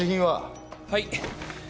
はい。